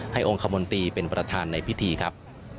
องค์คมนตรีเป็นประธานในพิธีครับ